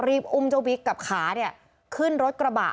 อุ้มเจ้าบิ๊กกับขาขึ้นรถกระบะ